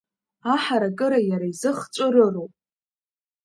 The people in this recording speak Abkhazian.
Аҳаракыра иара изы хҵәырыроуп…